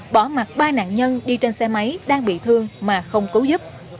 bỏ mặt ba nạn nhân đi trên xe máy đang bị thương mà không cứu giúp